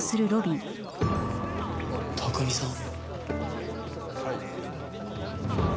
拓海さん。